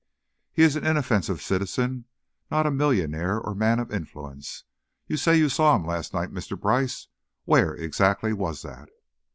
He is an inoffensive citizen, not a millionaire or man of influence. You said you saw him last night, Mr. Brice. Where, exactly, was that?"